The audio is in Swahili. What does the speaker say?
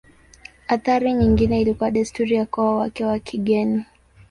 Athari nyingine ilikuwa desturi ya kuoa wake wa kigeni.